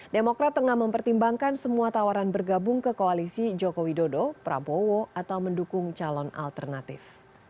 demokrat tengah mempertimbangkan semua tawaran bergabung ke koalisi joko widodo prabowo atau mendukung calon alternatif